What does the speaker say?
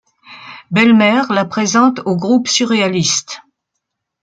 Bellmer la présente au groupe surréaliste.